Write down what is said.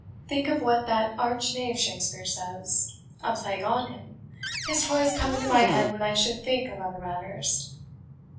Think of what that arch knave Shakespeare says a plague on him, his toys come into my head when I should think of other matters.